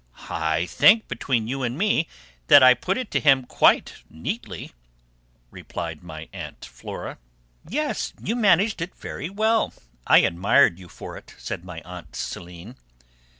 I think, between you and me, that I put it to him quite neatly," replied my aunt Flora. "Yes, you managed it very well; I admired you for it," said my aunt Céline.